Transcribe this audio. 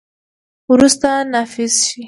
وروسته، نافذ شي.